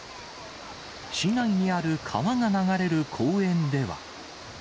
市内にある川が流れる公園では。